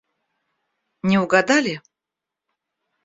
Не угадали?